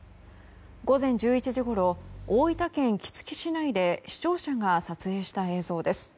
午前１１時ごろ大分県杵築市内で視聴者が撮影した映像です。